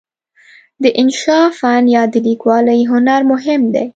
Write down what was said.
د انشأ فن یا د لیکوالۍ هنر مهم دی.